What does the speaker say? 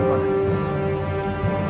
ya ya caranya